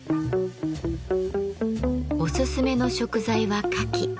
おすすめの食材はカキ。